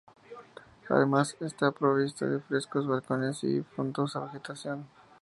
Además, está provista de frescos balcones y frondosa vegetación.